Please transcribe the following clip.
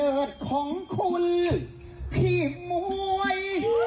วันเกิดของคุณพี่หมวย